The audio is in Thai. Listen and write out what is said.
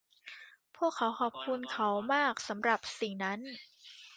พวกเขาขอบคุณเขามากสำหรับสิ่งนั้น